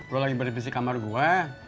lo lagi berisi kamar gue